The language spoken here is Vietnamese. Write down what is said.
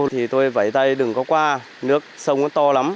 thì tôi vẩy tay đừng có qua nước sông có to lắm